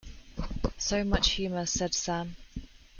‘So much humour,’ said Sam.